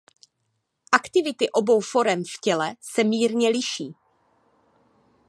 Aktivity obou forem v těle se mírně liší.